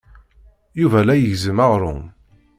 Yuba la igezzem aɣrum.